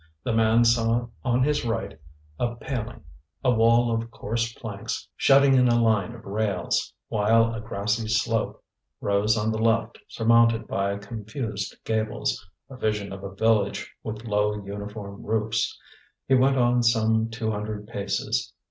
The man saw on his right a paling, a wall of coarse planks shutting in a line of rails, while a grassy slope rose on the left surmounted by confused gables, a vision of a village with low uniform roofs. He went on some two hundred paces.